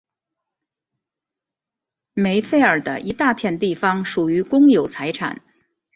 梅费尔的一大片地方属于公有财产。